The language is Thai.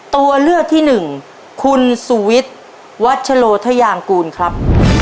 ตัวเลือกที่หนึ่งคุณสุวิทย์วัชโลทยางกูลครับ